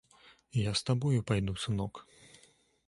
Я з табою пайду, сынок!